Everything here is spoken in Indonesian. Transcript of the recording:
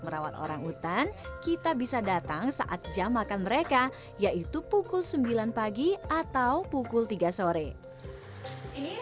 merawat orang hutan kita bisa datang saat jam makan mereka yaitu pukul sembilan pagi atau pukul tiga sore ini